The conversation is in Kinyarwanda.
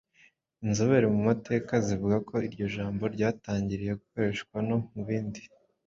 Inzobere mu mateka zivuga ko iryo jambo ryatangiriye gukoreshwa no mu bindi